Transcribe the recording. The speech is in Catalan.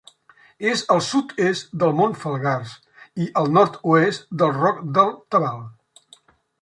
És al sud-est del Mont Falgars i al nord-oest del Roc del Tabal.